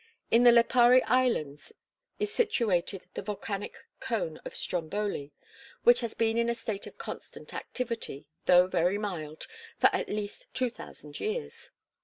In the Lipari Islands is situated the volcanic cone of Stromboli, which has been in a state of constant activity, though very mild, for at least two thousand years.